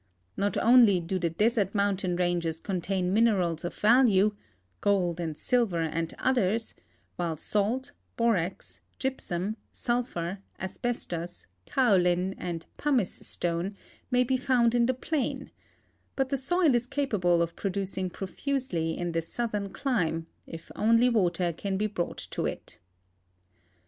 Not only do the desert mountain ranges conta, in minerals of value — gold and silver and others — while salt, borax, gypsum, sulphur, asbestos, kaolin, and pumice stone may be found in the plain, but the soil is capable of pro ducing profusely in this southern clime, if only water can be brought to it.